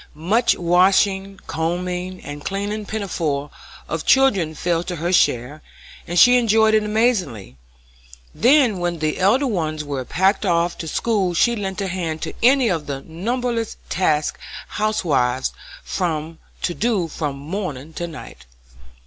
Much washing, combing, and clean pinaforing of children fell to her share, and she enjoyed it amazingly; then, when the elder ones were packed off to school she lent a hand to any of the numberless tasks housewives find to do from morning till night.